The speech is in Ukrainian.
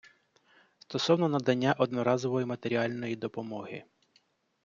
Стосовно надання одноразової матеріальної допомоги.